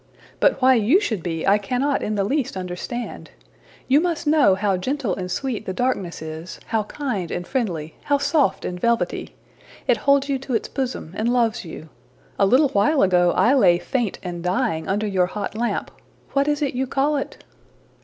But why you should be, I cannot in the least understand. You must know how gentle and sweet the darkness is, how kind and friendly, how soft and velvety! It holds you to its bosom and loves you. A little while ago, I lay faint and dying under your hot lamp. What is it you call it?''